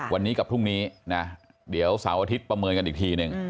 วันนี้กับพรุ่งนี้นะเดี๋ยวเสาร์อาทิตย์ประเมินกันอีกทีหนึ่ง